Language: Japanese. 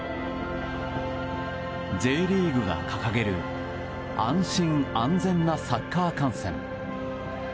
Ｊリーグが掲げる安心・安全なサッカー観戦。